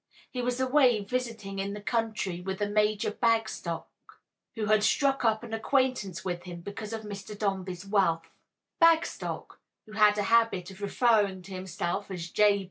He was away visiting in the country with a Major Bagstock, who had struck up an acquaintance with him because of Mr. Dombey's wealth. Bagstock (who had a habit of referring to himself as "J.